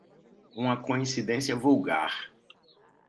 Uma coincidência vulgar